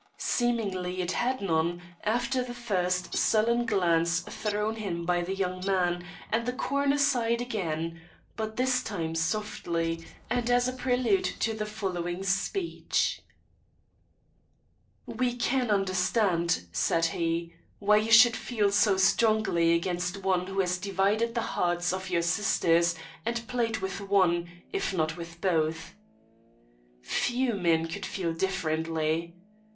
Seemingly it had none, after the first sullen glance thrown him by the young man; and the coroner sighed again, but this time softly, and as a prelude to the following speech: "We can understand," said he, "why you should feel so strongly against one who has divided the hearts of your sisters, and played with one, if not with both. Few men could feel differently.